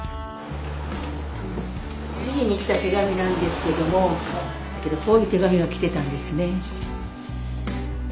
来た手紙なんですけどもこういう手紙が来てたんですね。